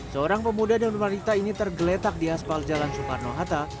seorang pemuda dan wanita ini tergeletak di aspal jalan soekarno hatta